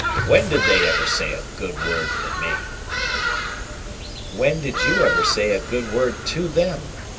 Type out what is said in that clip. When did they ever say a good word for me?" "When did you ever say a good word to them?"